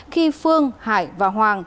khi phương hải và hoàng